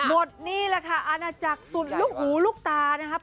หมดนี่แหละค่ะอาณาจักรสุดลูกหูลูกตานะครับ